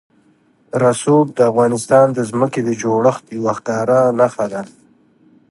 رسوب د افغانستان د ځمکې د جوړښت یوه ښکاره نښه ده.